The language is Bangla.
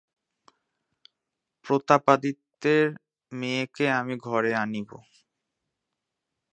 প্রতাপাদিত্যের মেয়েকে আমি ঘরে আনিব?